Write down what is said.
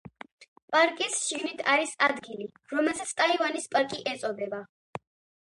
პარკის შიგნით არის ადგილი, რომელსაც „ტაივანის პარკი“ ეწოდება.